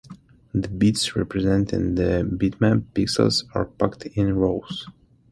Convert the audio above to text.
The bits representing the bitmap pixels are packed in rows.